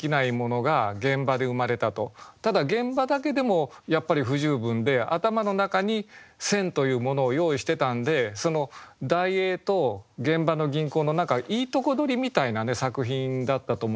ただ現場だけでもやっぱり不十分で頭の中に「千」というものを用意してたんでその題詠と現場の吟行の何かいいとこ取りみたいなね作品だったと思います。